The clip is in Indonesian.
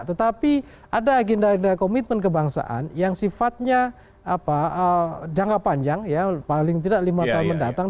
tetapi ada agenda agenda komitmen kebangsaan yang sifatnya jangka panjang ya paling tidak lima tahun mendatang